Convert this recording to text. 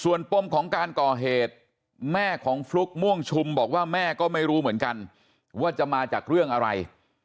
ส่วนปมของการก่อเหตุแม่ของฟลุ๊กม่วงชุมบอกว่าแม่ก็ไม่รู้เหมือนกันว่าจะมาจากเรื่องอะไร